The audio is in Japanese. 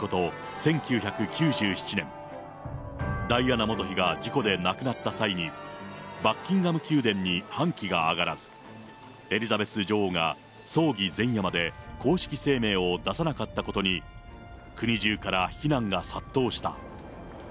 １９９７年、ダイアナ元妃が事故で亡くなった際に、バッキンガム宮殿に半旗が揚がらず、エリザベス女王が葬儀前夜まで公式声明を出さなかったことに、国中から非難が殺到した。